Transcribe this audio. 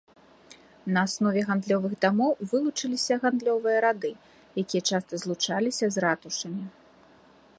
На аснове гандлёвых дамоў вылучыліся гандлёвыя рады, якія часта злучаліся з ратушамі.